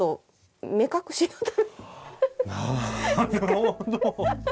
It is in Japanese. なるほど。